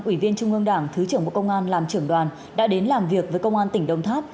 ủy viên trung ương đảng thứ trưởng bộ công an làm trưởng đoàn đã đến làm việc với công an tỉnh đồng tháp